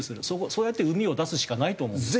そうやってうみを出すしかないと思うんです。